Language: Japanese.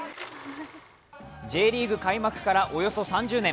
Ｊリーグ開幕からおよそ３０年。